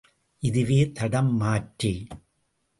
இதுவே தடம் மாற்றி.